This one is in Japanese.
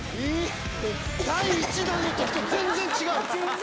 第１弾のときと全然違う！